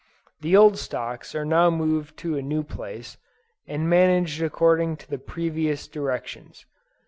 The old stocks are now moved to a new place, and managed according to the previous directions.